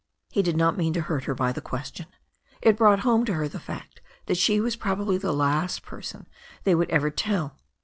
He did not mean to hurt her by the question. It brought home to her the fact that she was probably the last person they would ever tell.